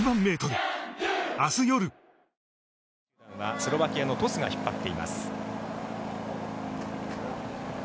スロバキアのトスが引っ張っています。